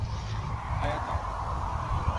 آیا تھا